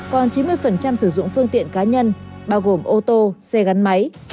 còn chín mươi sử dụng phương tiện cá nhân bao gồm ô tô xe gắn máy